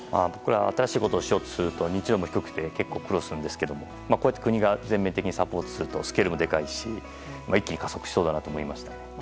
新しいことをしようとしますと結構苦労するんですけどこうやって国が全面的にサポートするとスケールもでかいし加速しそうだと思いました。